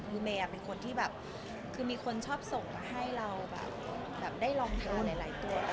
คือเมย์เป็นคนที่แบบคือมีคนชอบส่งมาให้เราแบบได้ลองทานหลายตัว